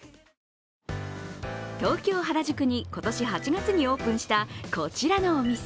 東京・原宿に今年８月にオープンしたこちらのお店。